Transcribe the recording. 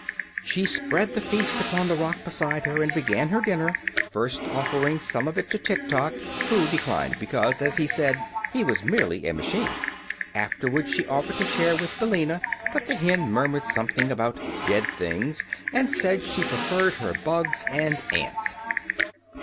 She spread the feast upon the rock beside her and began her dinner, first offering some of it to Tiktok, who declined because, as he said, he was merely a machine. Afterward she offered to share with Billina, but the hen murmured something about "dead things" and said she preferred her bugs and ants.